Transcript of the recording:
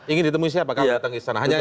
ingin ditemui siapa kalau datang ke istana